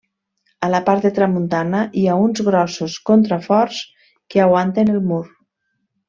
A la part de tramuntana hi ha uns grossos contraforts que aguanten el mur.